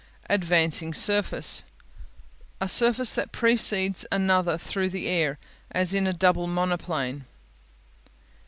Advancing Surface A surface that precedes another through the air, as in a double monoplane.